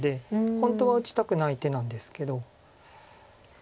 本当は打ちたくない手なんですけど。